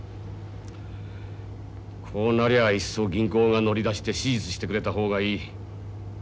こうなりゃいっそ銀行が乗り出して手術してくれた方がいい。